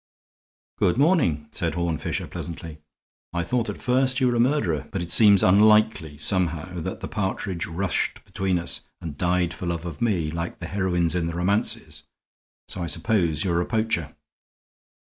"Good morning," said Horne Fisher, pleasantly. "I thought at first you were a murderer. But it seems unlikely, somehow, that the partridge rushed between us and died for love of me, like the heroines in the romances; so I suppose you are a poacher."